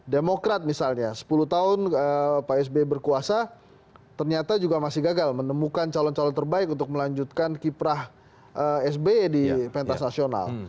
demokrat misalnya sepuluh tahun pak sby berkuasa ternyata juga masih gagal menemukan calon calon terbaik untuk melanjutkan kiprah sby di pentas nasional